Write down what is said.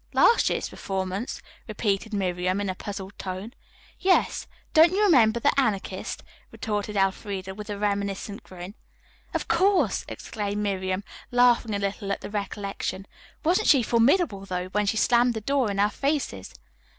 "'Last year's performance,'" repeated Miriam in a puzzled tone. "Yes, don't you remember the Anarchist?" retorted Elfreda, with a reminiscent grin. "Of course!" exclaimed Miriam, laughing a little at the recollection. "Wasn't she formidable, though, when she slammed the door in our faces?"